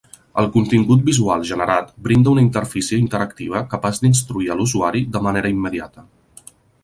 El contingut visual generat brinda una interfície interactiva capaç d'instruir a l'usuari de manera immediata.